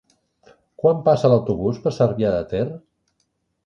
Quan passa l'autobús per Cervià de Ter?